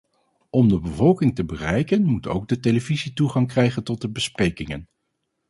Om de bevolking te bereiken moet ook de televisie toegang krijgen tot de besprekingen.